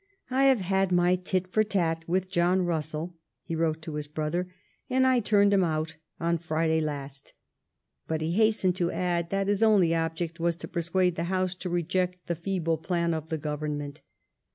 "I have had my tit for tat with John Bussell," he wrote to his brother, '^ and I turned him out on Friday last ''; but he hastened to add that his only object was to persuade the House to reject the feeble plan of the Government.